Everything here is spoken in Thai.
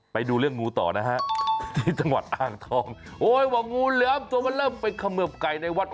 ไปดูเรื่องงูต่อนะฮะที่จังหวัดอ่างทองโอ้ยว่างูเหลือมตัวมันเริ่มไปเขมือบไก่ในวัด